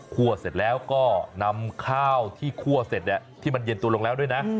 เสร็จแล้วก็นำข้าวที่คั่วเสร็จที่มันเย็นตัวลงแล้วด้วยนะ